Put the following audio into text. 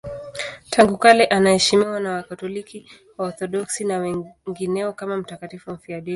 Tangu kale anaheshimiwa na Wakatoliki, Waorthodoksi na wengineo kama mtakatifu mfiadini.